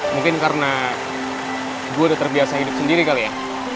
mungkin karena gue udah terbiasa hidup sendiri kali ya